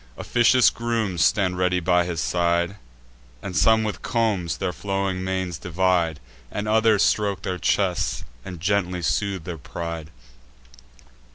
Officious grooms stand ready by his side; And some with combs their flowing manes divide, And others stroke their chests and gently soothe their pride.